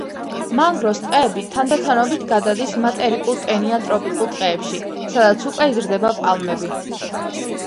მანგროს ტყეები თანდათანობით გადადის მატერიკულ ტენიან ტროპიკულ ტყეებში, სადაც უკვე იზრდება პალმები.